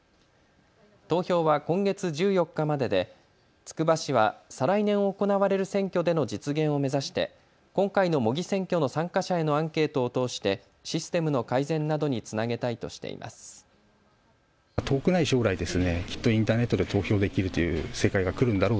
投票は今月１４日まででつくば市は再来年行われる選挙での実現を目指して今回の模擬選挙の参加者へのアンケートを通してシステムの改善などにつなげたいとしています。